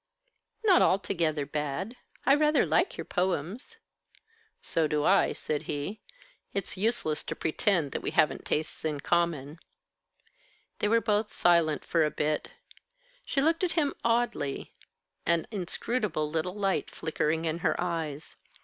"Not altogether bad. I rather like your poems." "So do I," said he. "It's useless to pretend that we haven't tastes in common." They were both silent for a bit. She looked at him oddly, an inscrutable little light flickering in her eyes.